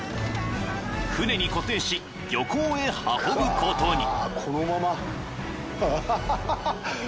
［船に固定し漁港へ運ぶことに］